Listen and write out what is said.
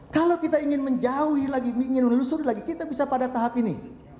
kalau kita ingin menjauhi lagi ingin menelusuri lagi kita bisa pada tahap ini